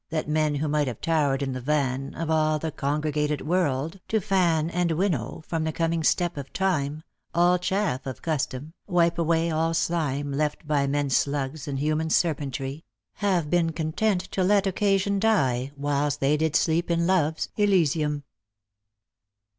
That men who might have tower'd in the van Of all the congregated world, to fan And winnow from the coming step of Tima All chaff of custom, wipe away all slime Left by men slugs and human serpentry, Have been content to let occasion die, Whilst they did sleep in love's Elysium."